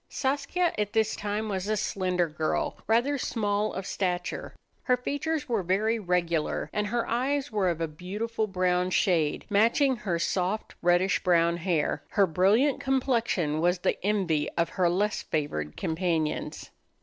Saskia at this time was a slender girl, rather small of stature. Her features were very regular, and her eyes were of a beautiful brown shade, matching her soft reddish brown hair. Her brilliant complexion was the envy of her less favored companions.